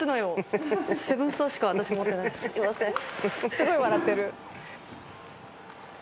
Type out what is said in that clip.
すごい笑ってる。